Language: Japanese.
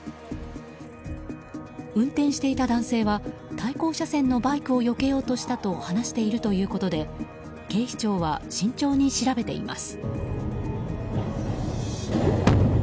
運転していた男性は、対向車線のバイクをよけようとしたと話しているということで警視庁は慎重に調べています。